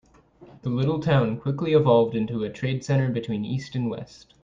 The little town quickly evolved into a trade center between east and west.